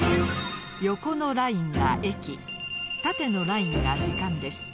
横のラインが駅縦のラインが時間です。